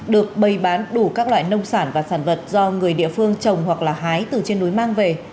được bày bán đủ các loại nông sản và sản vật do người địa phương trồng hoặc là hái từ trên núi mang về